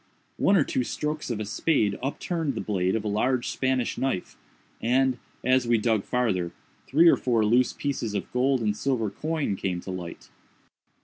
One or two strokes of a spade upturned the blade of a large Spanish knife, and, as we dug farther, three or four loose pieces of gold and silver coin came to light.